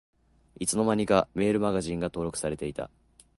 いつの間にかメールマガジンが登録されてた